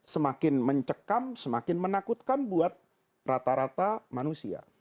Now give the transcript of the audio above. semakin mencekam semakin menakutkan buat rata rata manusia